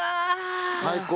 最高。